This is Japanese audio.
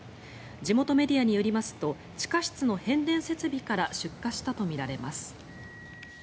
地元メディアによりますと地下室の変電設備から出火したとみられます。